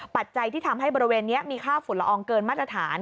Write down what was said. ปัจจัยที่ทำให้บริเวณนี้มีค่าฝุ่นละอองเกินมาตรฐาน